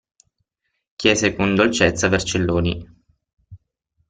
Chiese con dolcezza Vercelloni.